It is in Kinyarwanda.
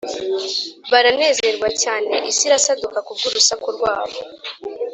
baranezerwa cyane isi irasaduka ku bw’urusaku rwabo.